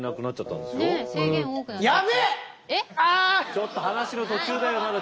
ちょっと話の途中だよまだ。